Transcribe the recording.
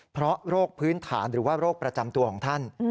เพราะโรคพื้นฐานหรือว่าโรคประจำตัวของท่าน